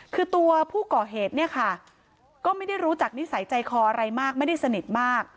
คือตัวผู้ก่อเหตุเนี่ยค่ะก็ไม่ได้รู้จักนิสัยใจคออะไรมากไม่ได้สนิทมาก